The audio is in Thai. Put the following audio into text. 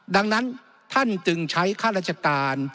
ดังนั้นท่านจึงใช้ข้าราชการ